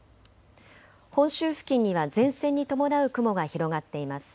本州付近には前線に伴う雲が広がっています。